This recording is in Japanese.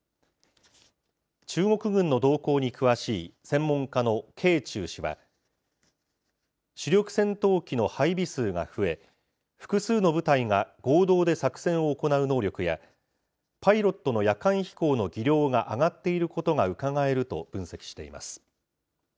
中国軍の動向に詳しい専門家の掲仲氏は、主力戦闘機の配備数が増え、複数の部隊が合同で作戦を行う能力やパイロットの夜間飛行の技量が上がっていることがうかがえると分析しています。